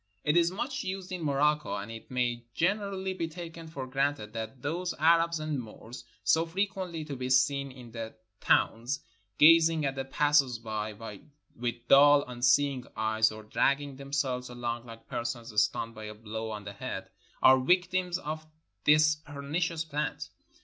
It is much used in Morocco, and it may gen erally be taken for granted that those Arabs and Moors, so frequently to be seen in the towns, gazing at the passers by with dull, unseeing eyes, or dragging them selves along like persons stunned by a blow on the head, are victims of this pernicious plant.